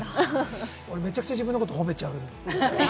俺、めちゃくちゃ自分のことを褒めちゃうので。